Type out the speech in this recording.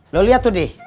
lu liat tuh dih